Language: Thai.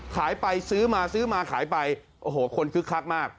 ขายไปซื้อมาซื้อมาขายไปโอ้โหคนคึกคักมาก